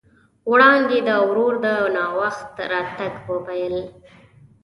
وړانګې د ورور د ناوخت راتګ وويل.